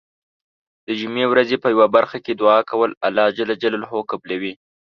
د جمعې ورځې په یو برخه کې دعا کول الله ج قبلوی .